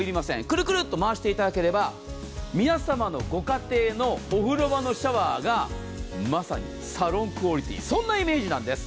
くるくるっと回していただければ皆様のご家庭のお風呂場のシャワーがまさに、サロンクオリティー、そんなイメージなんです。